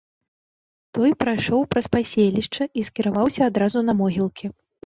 Той прайшоў праз паселішча і скіраваўся адразу на могілкі.